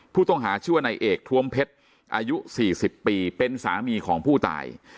ผู้ต้องหาชื่อว่านายเอกทวมเพชรอายุ๔๐ปีเป็นสามีของผู้ตาย